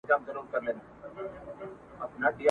چي وو به نرم د مور تر غېږي ..